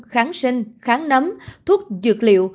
kháng sinh kháng nấm thuốc dược liệu